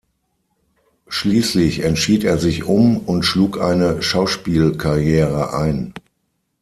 Schließlich entschied er sich um und schlug eine Schauspielkarriere ein.